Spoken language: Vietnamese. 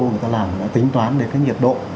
người ta làm tính toán để cái nhiệt độ